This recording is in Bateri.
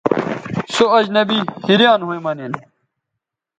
سو اجنبی حیریان َھویں مہ نِن